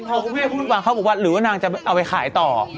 พอพี่พี่พูดว่าเข้าบุควัตรหรือว่านางจะเอาไปขายต่อ